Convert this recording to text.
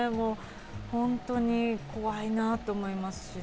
本当に怖いなと思いますしね。